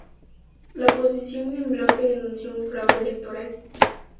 La oposición en bloque denunció un fraude electoral.